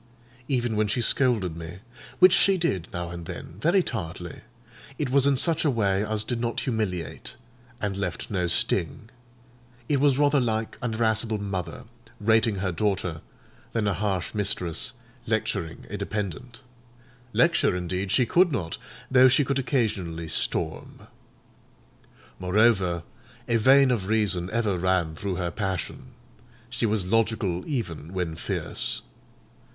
Even when she scolded me—which she did, now and then, very tartly—it was in such a way as did not humiliate, and left no sting; it was rather like an irascible mother rating her daughter, than a harsh mistress lecturing a dependant: lecture, indeed, she could not, though she could occasionally storm. Moreover, a vein of reason ever ran through her passion: she was logical even when fierce.